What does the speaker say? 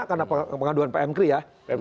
karena pengaduan pmkri ya